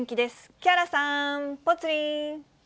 木原さん、ぽつリン。